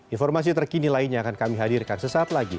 informasi terkini lainnya akan kami hadirkan sesaat lagi